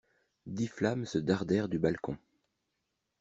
Dix flammes se dardèrent du balcon.